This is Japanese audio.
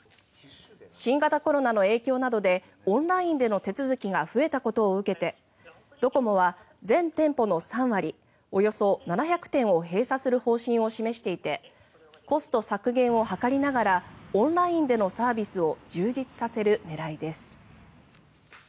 新型コロナの影響などでオンラインの手続きが増えたことを受けてドコモは全店舗の３割およそ７００店を閉鎖する方針を示していてコスト削減を図りながらオンラインでのサービスを充実させる狙いです。